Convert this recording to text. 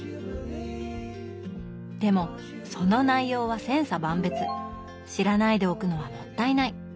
でもその内容は千差万別知らないでおくのはもったいない。